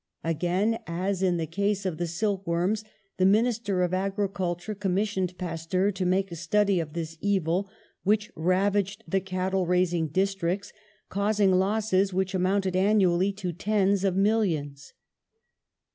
Again, as in the case of the silk worms, the Minister of Agriculture commis sioned Pasteur to m.ake a study of this 'evil, which ravaged the cattle raising districts, caus ing losses v/hich amounted annually to tens of millions.